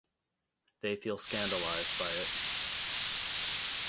They feel scandalized by it.